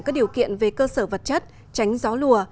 các điều kiện về cơ sở vật chất tránh gió lùa